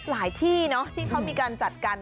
หลายที่เนาะที่เขามีการจัดกัน